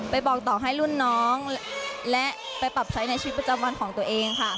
บอกต่อให้รุ่นน้องและไปปรับใช้ในชีวิตประจำวันของตัวเองค่ะ